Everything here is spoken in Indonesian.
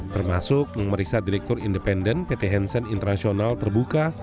termasuk memeriksa direktur independen pt hensen internasional terbuka